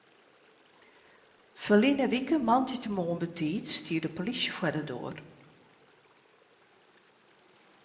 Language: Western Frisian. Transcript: Ferline wike moandeitemoarn betiid stie de polysje foar de doar.